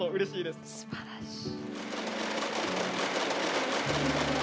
すばらしい。